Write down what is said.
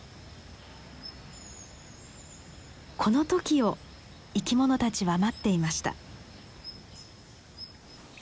この時を生き物たちは待っていました。